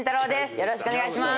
よろしくお願いします。